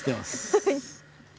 はい。